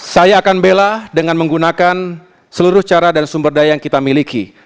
saya akan bela dengan menggunakan seluruh cara dan sumber daya yang kita miliki